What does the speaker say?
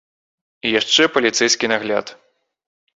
І яшчэ паліцэйскі нагляд.